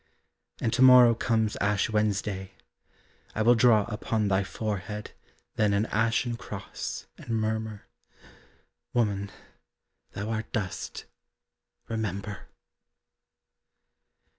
And to morrow comes Ash Wednesday, I will draw upon thy forehead Then an ashen cross, and murmur, Woman, thou art dust remember!